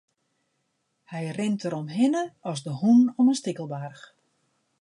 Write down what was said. Hy rint deromhinne as de hûn om in stikelbaarch.